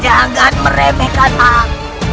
jangan meremehkan aku